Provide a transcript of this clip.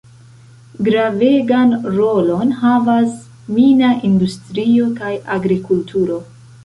Gravegan rolon havas mina industrio kaj agrikulturo.